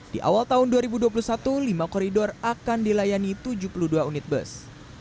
di awal tahun dua ribu dua puluh satu lima koridor akan dilayani tujuh puluh dua unit bus